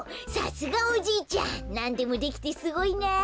さすがおじいちゃんなんでもできてすごいな。